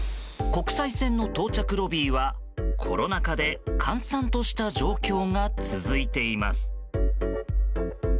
国際線の到着ロビーはコロナ禍で閑散とした状況が続いています。